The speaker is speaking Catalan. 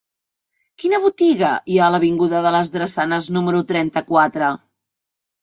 Quina botiga hi ha a l'avinguda de les Drassanes número trenta-quatre?